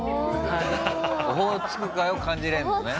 オホーツク海を感じられるのね？